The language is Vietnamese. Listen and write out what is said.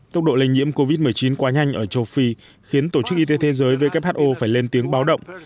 tốc độ lây nhiễm covid một mươi chín quá nhanh ở châu phi khiến tổ chức y tế thế giới who phải lên tiếng báo động